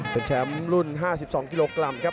เป็นแชมป์รุ่นห้าสิบสองกิโลกรัมครับ